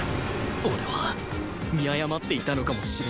俺は見誤っていたのかもしれない